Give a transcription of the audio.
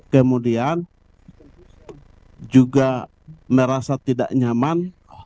kemudian juga merasa tidak nyaman